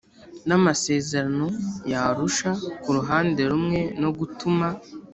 n amasezerano y Arusha ku ruhande rumwe no gutuma